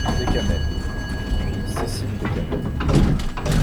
Bécamel ; puis Cécile Bécamel.